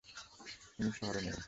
উনি শহরে নেই।